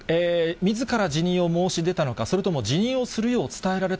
みずから辞任を申し出たのか、それとも辞任をするよう伝えられ